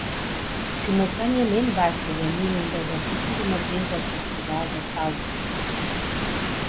Simultàniament va esdevenir un dels artistes emergents del Festival de Salzburg.